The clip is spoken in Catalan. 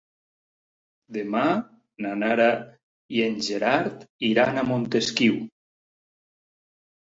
Demà na Nara i en Gerard iran a Montesquiu.